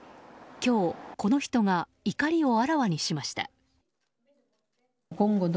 今日、この人が怒りをあらわにしました。